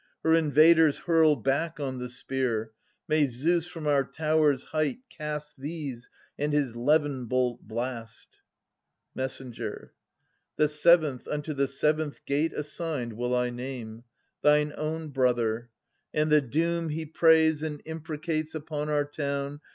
Her invaders hurl back on the spear. May Zeus from our towers' height cast These, and his levin bolt blast ! 630 Messenger. The seventh, unto the seventh gate assigned, Will I name — thine own brother, and the doom He prays and imprecates upon our town.